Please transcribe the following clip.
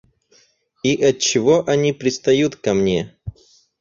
И отчего они пристают ко мне?